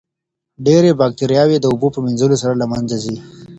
ډېرې باکتریاوې د اوبو په مینځلو سره له منځه ځي.